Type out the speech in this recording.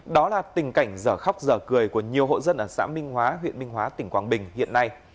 đó là tình cảnh dở khóc giờ cười của nhiều hộ dân ở xã minh hóa huyện minh hóa tỉnh quảng bình hiện nay